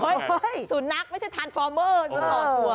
ฮึยสุนักไม่ใช่ทานฟอร์มเมอร์เสรียวรอตัว